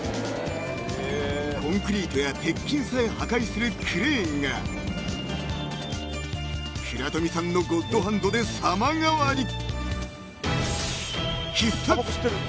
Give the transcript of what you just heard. ［コンクリートや鉄筋さえ破壊するクレーンが倉冨さんのゴッドハンドで様変わり］